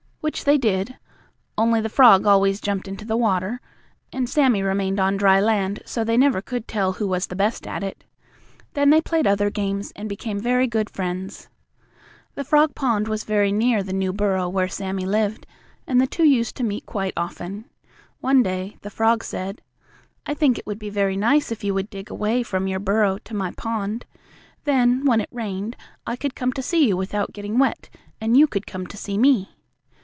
Which they did, only the frog always jumped into the water and Sammie remained on dry land, so they never could tell who was the best at it. Then they played other games, and became very good friends. The frog pond was very near the new burrow where Sammie lived, and the two used to meet quite often. One day the frog said: "I think it would be very nice if you would dig a way from your burrow to my pond. Then, when it rained, I could come to see you without getting wet, and you could come to see me."